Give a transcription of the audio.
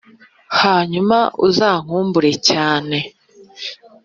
hanyuma uzankumbure cyane